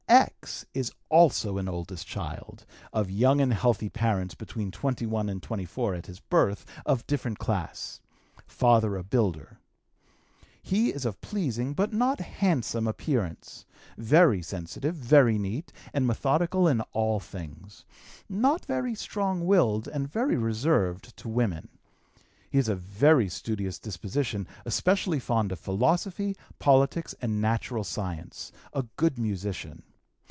"X. is also an oldest child, of young and healthy parents (between 21 and 24 at his birth) of different class; father a builder. He is of pleasing, but not handsome, appearance; very sensitive, very neat, and methodical in all things; not very strong willed, and very reserved to women. He is of very studious disposition, especially fond of philosophy, politics, and natural science; a good musician.